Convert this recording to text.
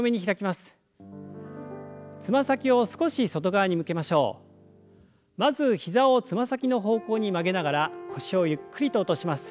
まず膝をつま先の方向に曲げながら腰をゆっくりと落とします。